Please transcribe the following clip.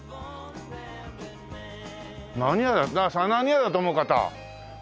何屋だ何屋だと思う方？